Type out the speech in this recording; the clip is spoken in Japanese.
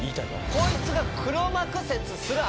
こいつが黒幕説すらあるよね。